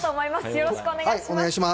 よろしくお願いします。